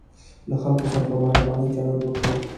له خلکو سره په مهربانۍ چلند وکړئ.